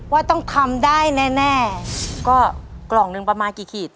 ว่าต้องทำได้แน่แน่ก็กล่องหนึ่งประมาณกี่ขีด